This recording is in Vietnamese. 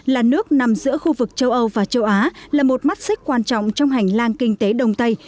là nước nằm giữa khu vực châu âu và châu á là một mắt xích quan trọng trong hành lang kinh tế đông tây